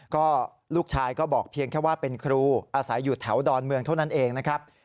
ก็ลูกชายก็บอกเพียงแค่ว่าเป็นครูอาศัยอยู่แถวดอนเมืองเท่านั้นเองนะครับ